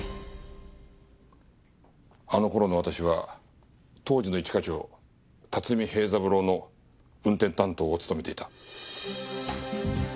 あの頃の私は当時の一課長辰巳平三郎の運転担当を務めていた。